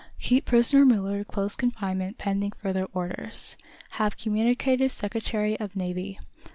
_"Keep prisoner Millard close confinement pending further orders. Have communicated Secretary of Navy.